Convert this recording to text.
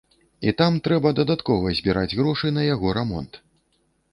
І там трэба дадаткова збіраць грошы на яго рамонт.